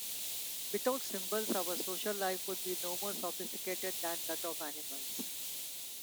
Without symbols, our social life would be no more sophisticated than that of animals.